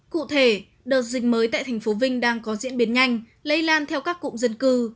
cụ thể đợt dịch mới tại thành phố vinh đang có diễn biến nhanh lây lan theo các cụm dân cư